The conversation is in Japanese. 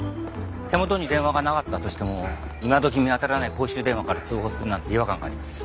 手元に電話がなかったとしても今どき見当たらない公衆電話から通報するなんて違和感があります。